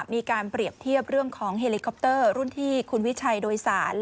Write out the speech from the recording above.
มีการเปรียบเทียบเรื่องของเฮลิคอปเตอร์รุ่นที่คุณวิชัยโดยสาร